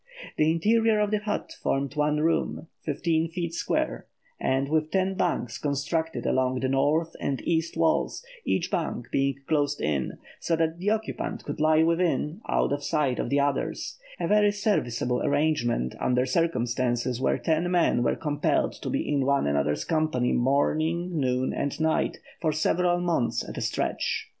The interior of the hut formed one room, fifteen feet square, and with ten bunks constructed along the north and east walls, each bunk being closed in, so that the occupant could lie within, out of sight of the others, a very serviceable arrangement under circumstances where ten men are compelled to be in one another's company morning, noon, and night for several months at a stretch.